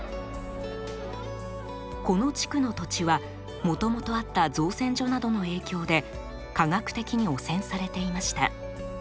この地区の土地はもともとあった造船所などの影響で化学的に汚染されていました。